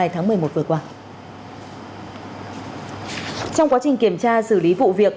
trong quá trình kiểm tra xử lý vụ việc